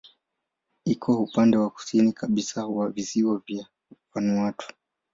Kiko upande wa kusini kabisa wa visiwa vya Vanuatu.